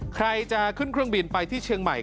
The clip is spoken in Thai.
ใครจะขึ้นเครื่องบินไปที่เชียงใหม่